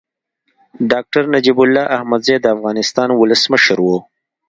ډاکټر نجيب الله احمدزی د افغانستان ولسمشر و.